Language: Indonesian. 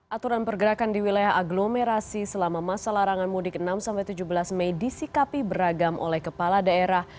aturan pergerakan di wilayah agglomerasi selama masa larangan mudik enam tujuh belas mei disikapi beragam oleh kepala daerah